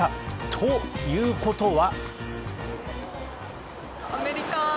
ということは。